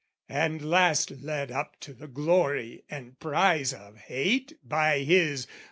And last led up to the glory and prize of hate By his...